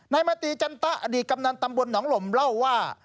มาตีจันตะอดีตกำนันตำบลหนองลมเล่าว่า